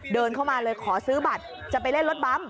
เดินเข้ามาเลยขอซื้อบัตรจะไปเล่นรถบั๊ม